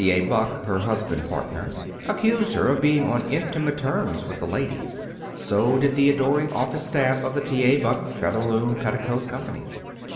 A. Buck, her husband partner, accused her of being on intimate terms with the lady. So did the adoring office staff of the T. A. Buck Featherloom Petticoat Company.